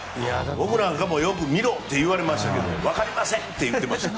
僕らなんかもよく見ろと言われましたけどわかりません！って言ってました。